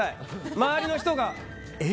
周りの人がえ？